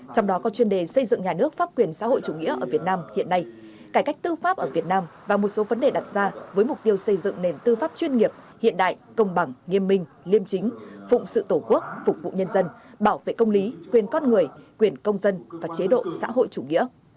trong đó có chuyên đề xây dựng nhà nước pháp quyền xã hội chủ nghĩa ở việt nam hiện nay cải cách tư pháp ở việt nam và một số vấn đề đặt ra với mục tiêu xây dựng nền tư pháp chuyên nghiệp hiện đại công bằng nghiêm minh liêm chính phụng sự tổ quốc phục vụ nhân dân bảo vệ công lý quyền con người quyền công dân và chế độ xã hội chủ nghĩa